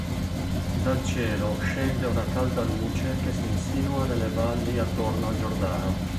Dal cielo scende una calda luce che si insinua nelle valli attorno al Giordano.